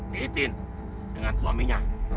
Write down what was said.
titin dengan suaminya